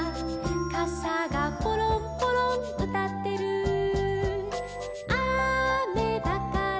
「かさがポロンポロンうたってる」「あめだから」